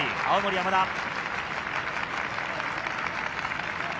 青森山田。